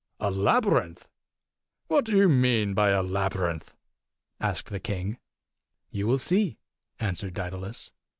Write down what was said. "A labyrinth! What do you mean by a labyrinth?" asked the king. "You will see," answered Daedalus.